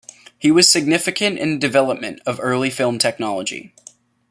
He was significant in the development of early film technology.